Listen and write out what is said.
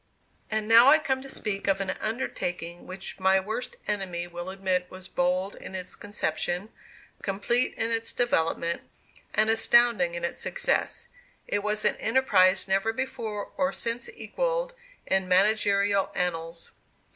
And now I come to speak of an undertaking which my worst enemy will admit was bold in its conception, complete in its development, and astounding in its success. It was an enterprise never before or since equalled in managerial annals.